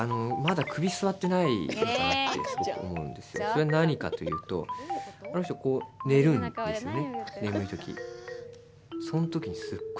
それは何かというとあの人、こう寝るんですよね。